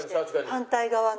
反対側の。